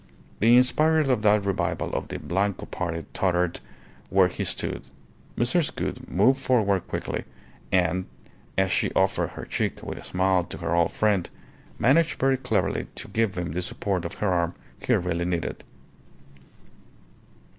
The inspirer of that revival of the Blanco party tottered where he stood. Mrs. Gould moved forward quickly and, as she offered her cheek with a smile to her old friend, managed very cleverly to give him the support of her arm he really needed.